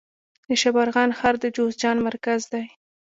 د شبرغان ښار د جوزجان مرکز دی